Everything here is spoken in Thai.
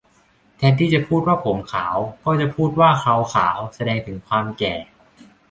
แทนที่จะพูดว่าผมขาว ก็จะพูดว่าเคราขาว แสดงถึงความแก่